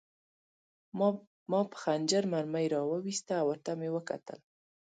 ما په خنجر مرمۍ را وویسته او ورته مې وکتل